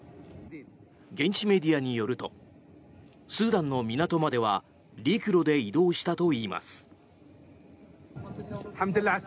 現地メディアによるとスーダンの港までは陸路で移動したといいます。